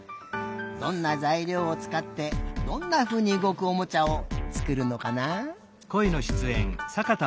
どんなざいりょうをつかってどんなふうにうごくおもちゃをつくるのかなあ？